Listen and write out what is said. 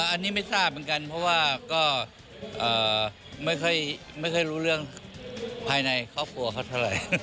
อันนี้ไม่ทราบเหมือนกันเพราะว่าก็ไม่ค่อยรู้เรื่องภายในครอบครัวเขาเท่าไหร่